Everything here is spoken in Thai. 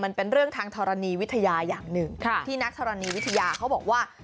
มันเป็นเรื่องทางธรณีวิทยาอย่างหนึ่งที่นักธรณีวิทยาเขาบอกว่า